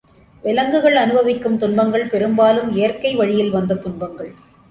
விலங்குகள் அனுபவிக்கும் துன்பங்கள் பெரும்பாலும் இயற்கை வழியில் வந்த துன்பங்கள்.